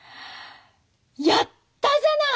やったじゃない！